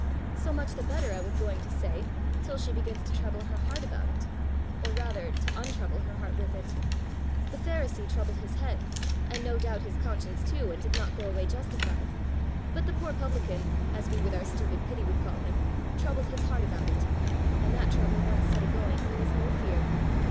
So much the better, I was going to say, till she begins to trouble her heart about it or rather to untrouble her heart with it! The pharisee troubled his head, and no doubt his conscience too, and did not go away justified; but the poor publican, as we with our stupid pity would call him, troubled his heart about it; and that trouble once set a going, there is no fear.